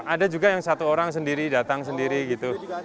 ada juga yang satu orang sendiri datang sendiri gitu